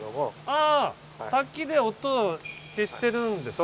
ああ滝で音を消してるんですか。